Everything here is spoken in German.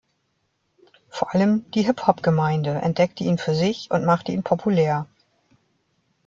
Vor allem die Hip-Hop-Gemeinde entdeckte ihn für sich und machte ihn populär.